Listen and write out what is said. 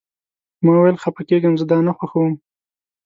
ما وویل: خفه کیږم، زه دا نه خوښوم.